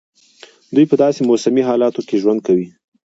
دوی په داسي موسمي حالاتو کې ژوند کوي.